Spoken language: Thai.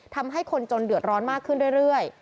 ทำให้คนจนเดือดร้อนมากขึ้นเรื่อย